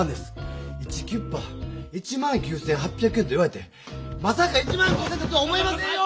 イチキュッパ１９８００円と言われてまさか１５０００円だとは思いませんよ！